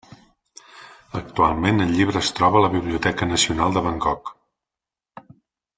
Actualment el llibre es troba a la Biblioteca Nacional de Bangkok.